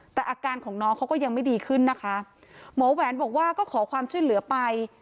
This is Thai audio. แต่อาการของน้องเขาก็ยังไม่ดีขึ้นนะคะหมอแหวนบอกว่าก็ขอความช่วยเหลือไป